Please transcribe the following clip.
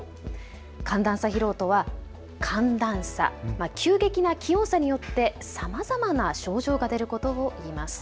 寒暖差疲労とは寒暖差、つまり、急激な気温差によってあらわれるさまざまな症状をいいます。